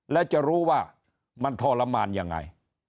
และจะรู้ว่ามันทรมานยังไง